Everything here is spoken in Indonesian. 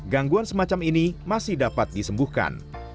gangguan semacam ini masih dapat disembuhkan